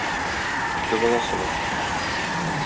Ике баласы бар.